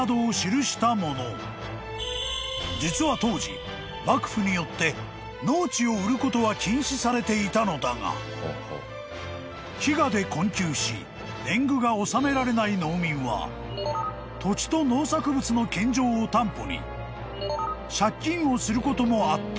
［実は当時幕府によって農地を売ることは禁止されていたのだが飢餓で困窮し年貢が納められない農民は土地と農作物の献上を担保に借金をすることもあった］